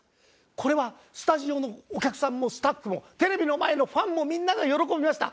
これはスタジオのお客さんもスタッフもテレビの前のファンもみんなが喜びました。